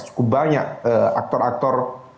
cukup banyak aktor aktor veto players nya di sana